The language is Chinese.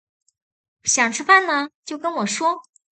想吃饭了就跟我说